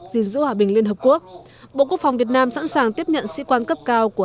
diện giữ hòa bình liên hợp quốc bộ quốc phòng việt nam sẵn sàng tiếp nhận sĩ quan cấp cao của